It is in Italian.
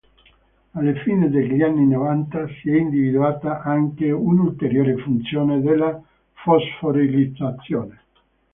Alla fine degli anni novanta si è individuata anche un'ulteriore funzione della fosforilazione.